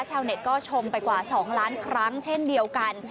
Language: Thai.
ชาวเน็ตก็ชมไปกว่า๒ล้านครั้งเช่นเดียวกัน